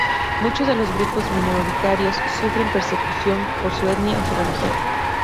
Muchos de los grupos minoritarios sufren persecución por su etnia o su religión.